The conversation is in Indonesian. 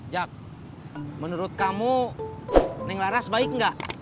jak menurut kamu neng laras baik nggak